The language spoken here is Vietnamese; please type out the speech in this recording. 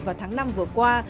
vào tháng năm vừa qua